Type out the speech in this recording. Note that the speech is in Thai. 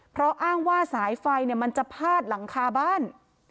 เพราะอ้างว่าสายไฟมันจะพาดหลังคาบ้าน